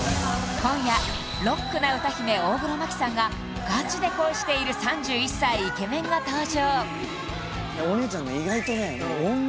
今夜ロックな歌姫大黒摩季さんがガチで恋している３１歳イケメンが登場！